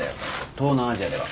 東南アジアでは。